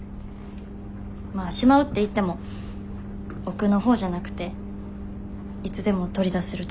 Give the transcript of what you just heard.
まあしまうって言っても奥のほうじゃなくていつでも取り出せるとこに。